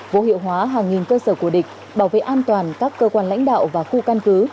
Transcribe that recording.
vô hiệu hóa hàng nghìn cơ sở của địch bảo vệ an toàn các cơ quan lãnh đạo và khu căn cứ